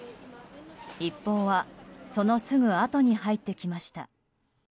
一報はそのすぐあとに入ってきました。